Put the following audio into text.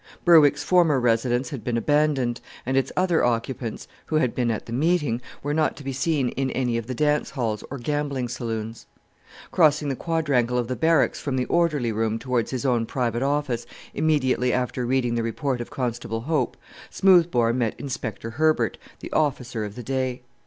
Berwick's former residence had been abandoned, and its other occupants (who had been at the meeting) were not to be seen in any of the dance halls or gambling saloons. Crossing the quadrangle of the Barracks from the orderly room towards his own private office, immediately after reading the report of Constable Hope, Smoothbore met Inspector Herbert, the officer of the day.